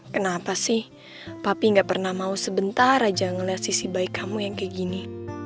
kenapa sih papi gak pernah mau sebentar aja ngeliat sisi baik kamu yang kayak gini